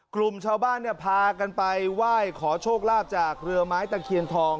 กลุ่มชาวบ้านเนี่ยพากันไปไหว้ขอโชคลาภจากเรือไม้ตะเคียนทอง